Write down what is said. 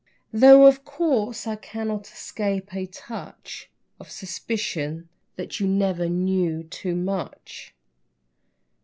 (Though, of course, I cannot escape a touch Of suspicion that you never knew too much!)